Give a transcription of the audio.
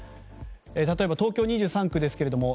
例えば、東京２３区ですけれども